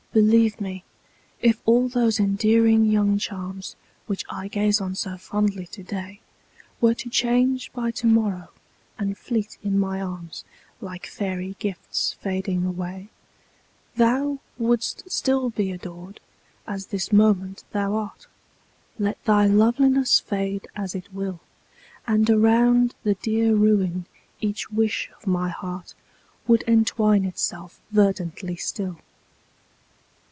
Believe me, if all those endearing young charms, Which I gaze on so fondly today, Were to change by to morrow, and fleet in my arms, Like fairy gifts fading away, Thou wouldst still be adored, as this moment thou art. Let thy loveliness fade as it will. And around the dear ruin each wish of my heart Would entwine itself verdantly still.